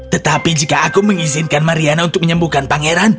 tetapi jika aku mengizinkan mariana untuk menyembuhkan pangeran